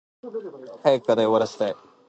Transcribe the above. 早く課題終わらしたい。